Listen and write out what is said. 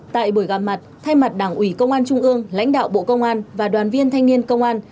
tại buổi gặp mặt thay mặt đảng ủy công an trung ương lãnh đạo bộ công an và đoàn viên thanh niên công an